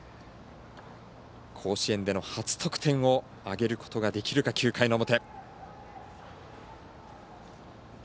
甲子園での初得点を挙げることができるか９回の表。